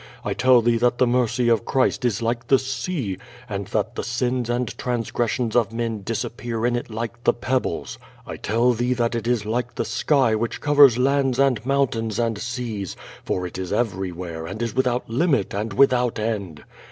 I tell thee that the mercy of Christ is like the sea, and that the sins and transgressions of men disappear in it like the pebbles; I tell thee that it is like the sky which covers lands and mountains and seas, for it is everywhere and is without limit and without end.